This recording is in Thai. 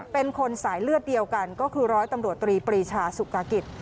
เป็นคนสายเลือดเดียวกันก็คือร้อยตำรวจตรีปรีชาสุกากิจ